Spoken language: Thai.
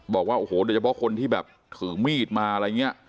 บอกว่าโอ้โหโดยเฉพาะคนที่แบบถือมีดมาอะไรอย่างนี้